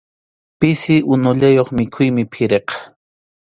Pisi unullayuq mikhuymi phiriqa.